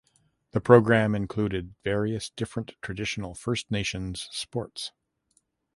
The program included various different traditional First Nations sports.